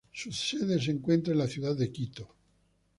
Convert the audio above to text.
Su sede se encuentra en la ciudad de Quito.